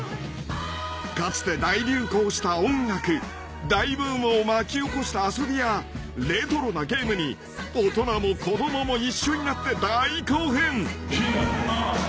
［かつて大流行した音楽大ブームを巻き起こした遊びやレトロなゲームに大人も子供も一緒になって大興奮］